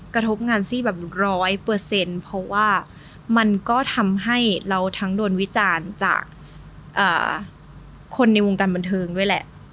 กระทบงานซี่แบบร้อยเปอร์เซ็นต์เพราะว่ามันก็ทำให้เราทั้งโดนวิจารณ์จากคนในวงการบันเทิงด้วยแหละ